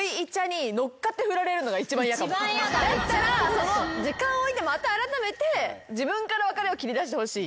だったら時間を置いてまたあらためて自分から別れを切り出してほしい。